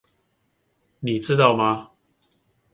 你知道嗎？